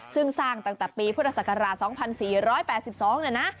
ซึ่งสร้างตั้งแต่ปีพฤศกราช๒๔๘๒